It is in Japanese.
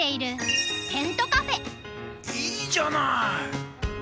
いいじゃない！